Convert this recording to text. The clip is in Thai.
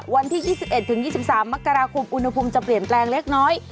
วันที่๒๑๒๓มกราคมอุณหภูมิจะเปลี่ยนแปลงเล็กน้อย